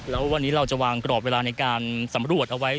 แล้ววันนี้เราจะวางกรอบเวลาในการสำรวจเอาไว้